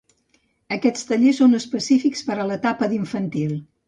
Aquests tallers són específics per a l'etapa d'infantil.